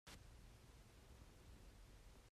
Always in a hurry, always behind.